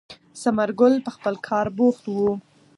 ثمر ګل په خپل کار بوخت و.